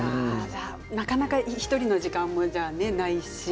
なかなか１人の時間もないし。